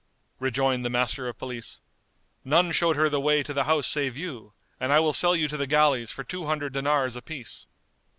Rejoined the Master of Police, "None showed her the way to the house save you, and I will sell you to the galleys for two hundred dinars apiece."